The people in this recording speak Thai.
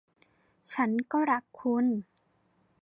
ฉันก็รักคุณ